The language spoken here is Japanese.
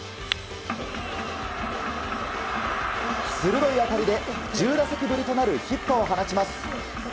鋭い当たりで１０打席ぶりとなるヒットを放ちます。